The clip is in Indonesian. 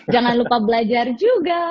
jangan lupa belajar juga